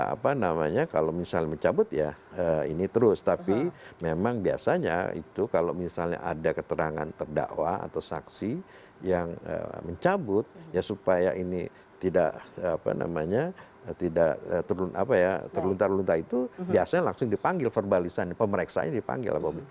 apa namanya kalau misalnya mencabut ya ini terus tapi memang biasanya itu kalau misalnya ada keterangan terdakwa atau saksi yang mencabut ya supaya ini tidak apa namanya tidak terluntar luntar itu biasanya langsung dipanggil verbalisannya pemeriksanya dipanggil